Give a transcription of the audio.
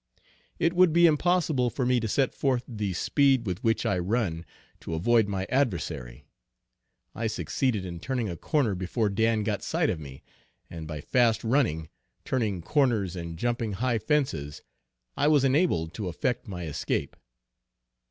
It would be impossible for me to set forth the speed with which I run to avoid my adversary; I succeeded in turning a corner before Dan got sight of me, and by fast running, turning corners, and jumping high fences, I was enabled to effect my escape.